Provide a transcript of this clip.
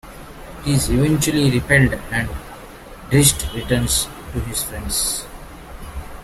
It is eventually repelled and Drizzt returns to his friends.